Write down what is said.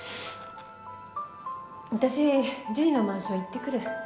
私ジュニのマンション行ってくる。